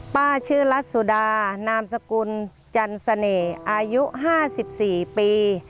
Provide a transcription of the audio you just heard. ป้าชื่อรัสสุดานามสกุลจันเสน่ห์อายุ๕๔ปี